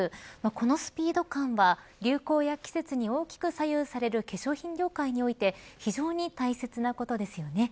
このスピード感は流行や季節に大きく左右される化粧品業界において非常に大切なことですよね。